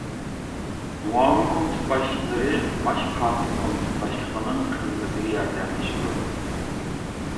مۇئاۋىن كومىتېت باشلىقلىرى، باش كاتىپ كومىتېت باشلىقىنىڭ خىزمىتىگە ياردەملىشىدۇ.